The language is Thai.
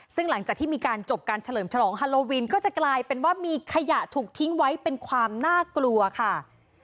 ซึ่งหลังจากที่มีการจบการเฉลิมฉลองฮาโลวินก็จะกลายเป็นว่ามีขยะถูกทิ้งไว้เป็นความน่ากลัวค่ะ